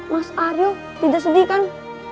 mas aryo tidak sedih kan